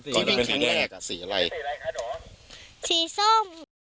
ที่วิ่งครั้งแรกอ่ะสีอะไรสีส้ม